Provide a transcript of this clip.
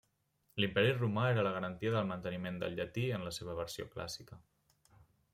L'Imperi Romà era la garantia del manteniment del llatí en la seva versió clàssica.